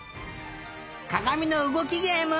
かがみのうごきゲーム。